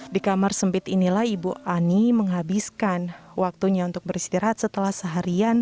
di kamar sempit inilah ibu ani menghabiskan waktunya untuk beristirahat setelah seharian